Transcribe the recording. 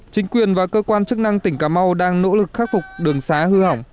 chính quyền và cơ quan chức năng tỉnh cà mau đang nỗ lực khắc phục đường xá hư hỏng